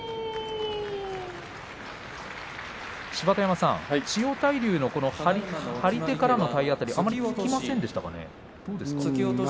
芝田山さん、千代大龍の張り手からの体当たりあまり効きませんでしたかね。